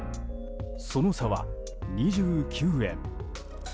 その差は２９円。